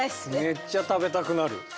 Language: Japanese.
めっちゃ食べたくなる。